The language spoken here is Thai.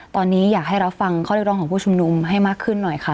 ตอนนี้อยากให้รับฟังข้อเรียกร้องของผู้ชุมนุมให้มากขึ้นหน่อยค่ะ